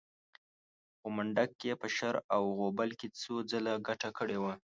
خو منډک چې په شر او غوبل کې څو ځله ګټه کړې وه.